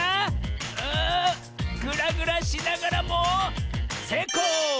あグラグラしながらもせいこう！